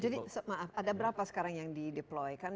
jadi maaf ada berapa sekarang yang di deploy kan